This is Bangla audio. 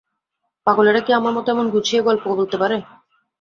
পাগলেরা কি আমার মতো এমন গুছিয়ে গলপ বলতে পারে?